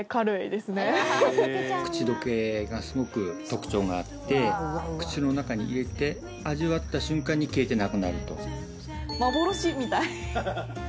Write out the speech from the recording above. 口溶けがすごく特徴があって口の中に入れて味わった瞬間に消えてなくなると。